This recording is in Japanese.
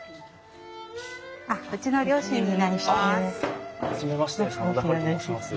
うちの両親になります。